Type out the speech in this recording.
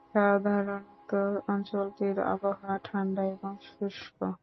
সাধারণত অঞ্চলটির আবহাওয়া ঠান্ডা এবং শুষ্ক।